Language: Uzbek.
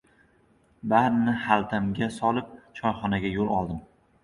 Barini xaltamga solib, choyxonaga yo‘l oldim.